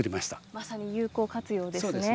まさに有効活用ですね。